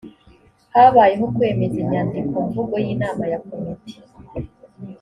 habayeho kwemeza inyandikomvugo y’inama ya komite